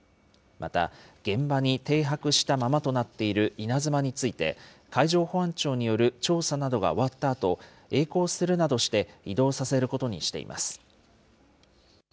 また、現場に停泊したままとなっているいなづまについて、海上保安庁による調査などが終わったあと、えい航するなどして移動させることにしています。